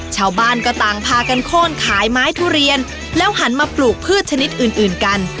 ชาวบ้านก็ต่างพากันโค้นขายไม้ทุเรียนแล้วหันมาปลูกพืชชนิดอื่นกัน